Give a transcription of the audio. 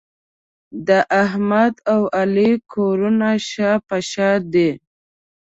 د احمد او علي کورونه شا په شا دي.